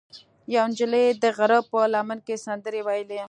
یوه نجلۍ د غره په لمن کې سندرې ویلې.